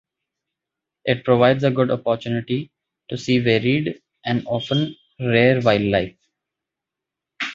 It provides a good opportunity to see varied and often rare wildlife.